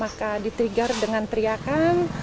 maka diteragar dengan teriakan